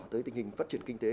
tới tình hình phát triển kinh tế